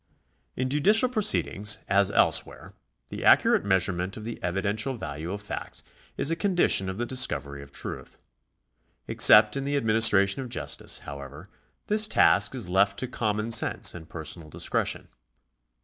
In judicial proceedings, as elsewhere, the accurate measure ment of the evidential value of facts is a condition of the discovery of truth. Except in the administration of justice, however, this task is left to common sense and personal discretion.